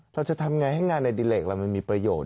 เราจะทำไงให้งานในดิเลกเรามันมีประโยชน